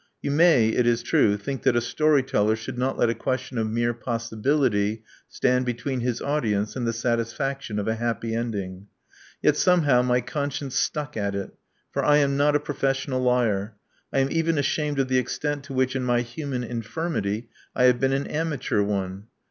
You may, it is true, think that a story teller should not let a question of mere possibility stand between his audi ence and the satisfaction of a happy ending. Yet somehow my conscience stuck at it; for I am not a professional liar: I am even ashamed of the extent to which in my human infirmity I have been an amateur one.